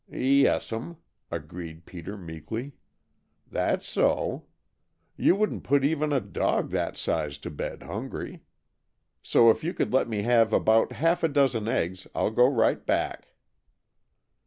"Yes'm," agreed Peter meekly. "That's so. You wouldn't put even a dog that size to bed hungry. So, if you could let me have about half a dozen eggs, I'll go right back."